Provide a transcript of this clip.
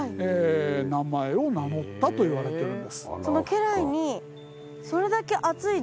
名前を名乗ったといわれてる。